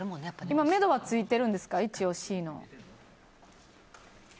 今、めどはついてるんですか一応Ｃの。